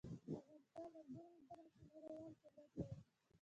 افغانستان د انګور په برخه کې نړیوال شهرت لري.